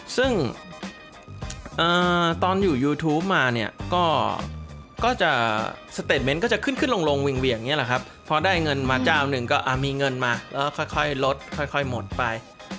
ซึ่งตอนอยู่ยูทูปมาเนี่ยก็จะสเตจเมนต์ก็จะขึ้นขึ้นลงเหวี่ยงอย่างนี้แหละครับพอได้เงินมาเจ้าหนึ่งก็มีเงินมาแล้วค่อยลดค่อยหมดไป